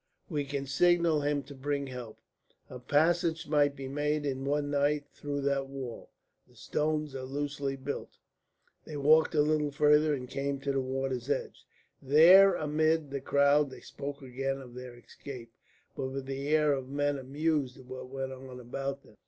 We can signal him to bring help. A passage might be made in one night through that wall; the stones are loosely built." They walked a little farther and came to the water's edge. There amid the crowd they spoke again of their escape, but with the air of men amused at what went on about them.